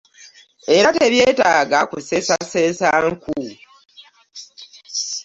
Era tebyetaaga kuseesaseesa nku .